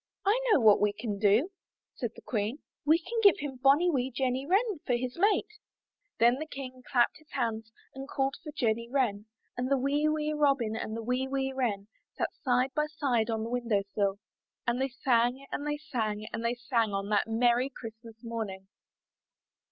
"I know what we can do," said the Queen; "we can give him bonny wee Jenny Wren for his mate." i66 IN THE NURSERY Then the King clapped his hands and called for Jenny Wren, and the wee, wee Robin and the wee, wee Wren sat side by side on the window sill, and they sang, and they sang, and they sang on that merry Christ mas morning.